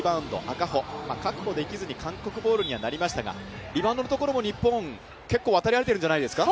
確保できずに、韓国ボールにはなりましたが、リバウンドのところも日本、渡り合っているんじゃないですか。